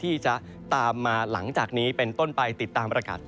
ที่จะตามมาหลังจากนี้เป็นต้นไปติดตามประกาศ